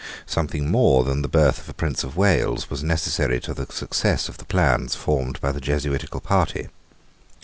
Something more than the birth of a Prince of Wales was necessary to the success of the plans formed by the Jesuitical party.